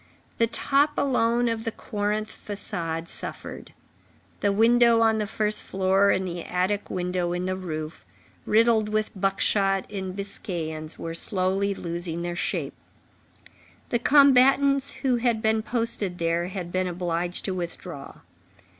The top alone of the Corinthe façade suffered; the window on the first floor, and the attic window in the roof, riddled with buckshot and biscaïens, were slowly losing their shape. The combatants who had been posted there had been obliged to withdraw.